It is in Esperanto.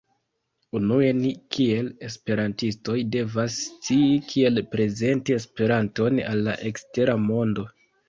Unue, ni kiel Esperantistoj, devas scii kiel prezenti Esperanton al la ekstera mondo